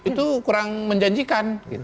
itu kurang menjanjikan